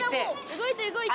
動いて動いて。